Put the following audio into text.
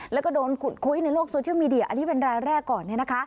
แล้วก็โดนขุดคุ้ยในโลกโซเชียลมีเดียอันนี้เป็นรายแรกก่อน